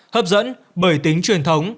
hấp dẫn bởi tính truyền thống